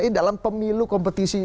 ini dalam pemilu kompetisi